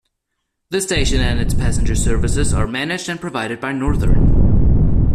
The station and its passenger services are managed and provided by Northern.